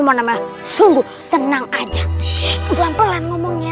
kalo dikenain dan engkau apaan